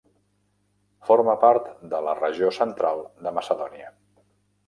Forma part de la regió central de Macedònia.